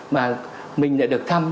mà mình đã được thăm